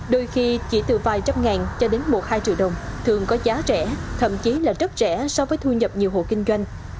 đôi khi chỉ từ vài trăm ngàn cho đến một hai triệu đồng thường có giá rẻ thậm chí là rất rẻ so với thu nhập nhiều hộ kinh doanh